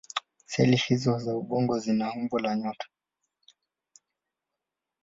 Seli hizO za ubongo zina umbo la nyota.